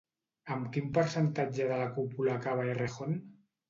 Amb quin percentatge de la cúpula acaba Errejón?